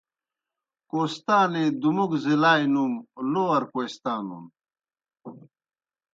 کوہستانے دوموگوْ ضلعلائے نُوم لوئر کوہستانُن۔